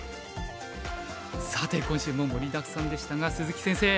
さて今週も盛りだくさんでしたが鈴木先生